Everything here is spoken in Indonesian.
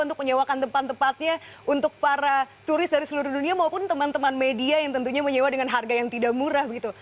untuk menyewakan tempat tempatnya untuk para turis dari seluruh dunia maupun teman teman media yang tentunya menyewa dengan harga yang tidak murah begitu